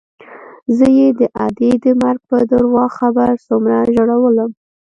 زه يې د ادې د مرګ په درواغ خبر څومره وژړولوم.